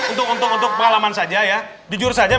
seperti yang sekarang